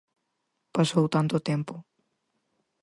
Pasou tanto tempo...